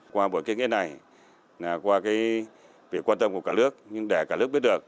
qua buổi ký kết nghĩa này qua việc quan tâm của cả nước nhưng để cả nước biết được